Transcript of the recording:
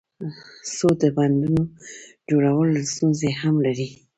خو د بندونو جوړول ستونزې هم لري.